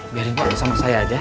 biarin pak sama saya aja